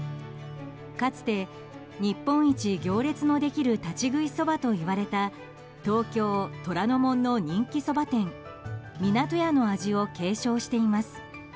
かつて、日本一行列のできる立ち食いそばと言われた東京・虎ノ門の人気そば店港屋の味を継承しています。